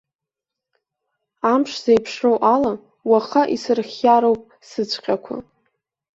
Амш зеиԥшроу ала уаха исырхиароуп сыцәҟьақәа.